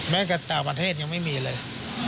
กับต่างประเทศยังไม่มีเลย